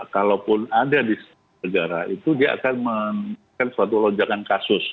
kalaupun ada di negara itu dia akan menunjukkan suatu lonjakan kasus